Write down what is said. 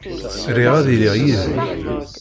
Riɣ ad iliɣ yid-k.